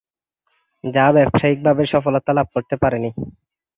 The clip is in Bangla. যা ব্যবসায়িকভাবে সফলতা লাভ করতে পারেনি।